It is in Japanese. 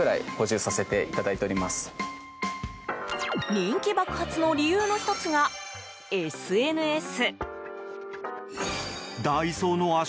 人気爆発の理由の１つがＳＮＳ。